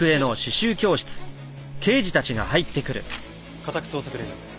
家宅捜索令状です。